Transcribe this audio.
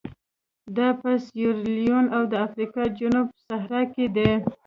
دا په سیریلیون او د افریقا جنوب صحرا کې ده.